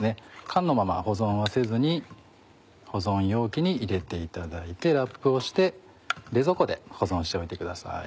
缶のまま保存はせずに保存容器に入れていただいてラップをして冷蔵庫で保存しておいてください。